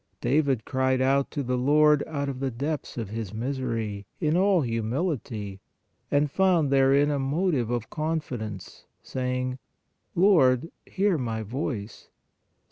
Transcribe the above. David cried out to the Lord out of the depths of his misery, in all humility, and found therein a motive of confidence, saying: "Lord, hear my voice" (Ps.